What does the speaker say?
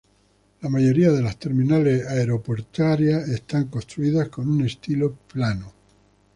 La mayoría de terminales aeroportuarias está construidas con un estilo plano.